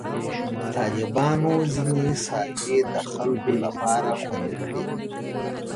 طالبانو ځینې ساحې د خلکو لپاره خوندي کړي.